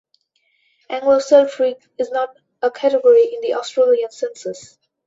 Anglo-Celtic is not a category in the Australian census.